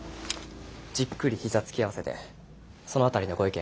じっくり膝突き合わせてその辺りのご意見